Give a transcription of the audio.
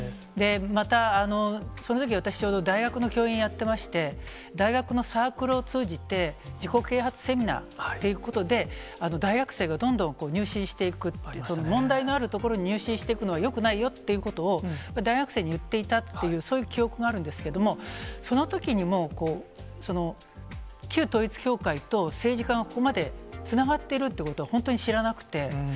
また、そのとき私、ちょうど、大学の教員をやってまして、大学のサークルを通じて、自己啓発セミナーということで大学生がどんどん入信していくっていう、問題のある所に入信していくのはよくないよということを大学生に言っていたという、そういう記憶があるんですけれども、そのときにも旧統一教会と政治家がここまでつながっているということは本当に知らなくて。